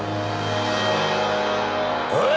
おい！